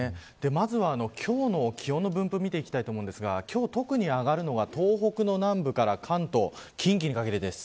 まずは今日の気温の分布を見ていきたいと思うんですが今日、特に上がるのが東北の南部から関東近畿にかけてです。